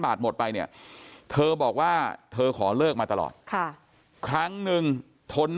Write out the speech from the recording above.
บาทหมดไปเนี่ยเธอบอกว่าเธอขอเลิกมาตลอดค่ะครั้งหนึ่งทน